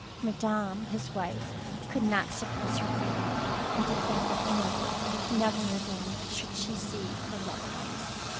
Madame his wife could not suppress her grief, and de clared that never, never again should she see her loved ones.